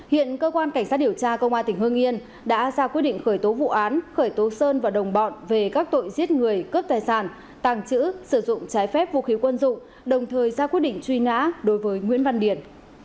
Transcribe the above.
hiện cơ quan cảnh sát điều tra công an tỉnh hương yên đã ra quyết định khởi tố vụ án khởi tố sơn và đồng bọn về các tội giết người cướp tài sản tàng trữ sử dụng trái phép vũ khí quân dụng đồng thời ra quyết định truy nã đối với nguyễn văn điển